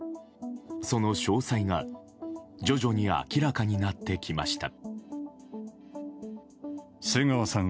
その詳細が徐々に明らかになってきました。